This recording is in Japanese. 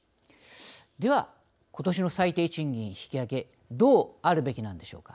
では、ことしの最低賃金引き上げどうあるべきなんでしょうか。